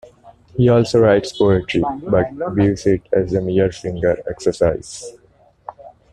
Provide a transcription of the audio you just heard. He also writes poetry, but views it as a mere finger exercise.